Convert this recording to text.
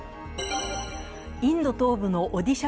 インド東部のオディシャ